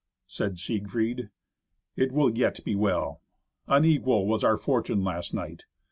Said Siegfried, "It will yet be well. Unequal was our fortune last night.